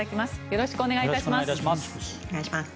よろしくお願いします。